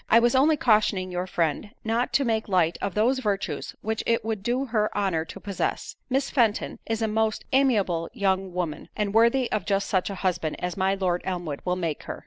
I was only cautioning your friend not to make light of those virtues which it would do her honour to possess. Miss Fenton is a most amiable young woman, and worthy of just such a husband as my Lord Elmwood will make her."